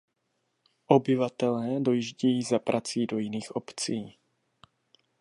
Obyvatelé dojíždějí za prací do jiných obcí.